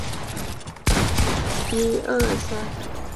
不过后来威灵顿公爵的雕像被移至奥尔德肖特。